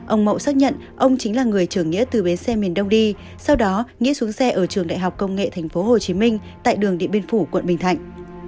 ông mậu xác nhận ông chính là người chủ nghĩa từ bến xe miền đông đi sau đó nghĩa xuống xe ở trường đại học công nghệ tp hcm tại đường điện biên phủ quận bình thạnh